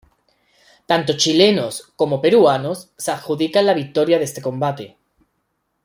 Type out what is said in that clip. Tanto chilenos como peruanos se adjudican la victoria de este combate.